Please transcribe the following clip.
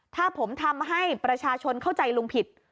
ถ้าผมทำให้ประชาชนเข้าใจลุงผิด